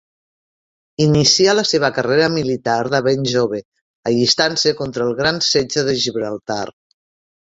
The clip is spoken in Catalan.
Inicià la seva carrera militar de ben jove allistant-se contra el gran setge de Gibraltar.